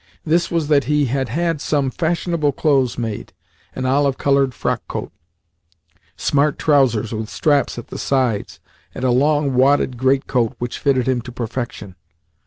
This was that he had had some fashionable clothes made an olive coloured frockcoat, smart trousers with straps at the sides, and a long wadded greatcoat which fitted him to perfection.